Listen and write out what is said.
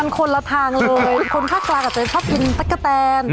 มันคนละทางเลยคนภาคกราก็จะชอบกินตะกะแตน